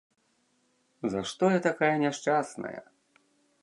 За што я такая няшчасная!